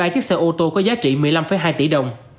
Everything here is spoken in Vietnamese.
hai mươi ba chiếc xe ô tô có giá trị một mươi năm hai tỷ đồng